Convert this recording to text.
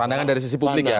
pandangan dari sisi publik ya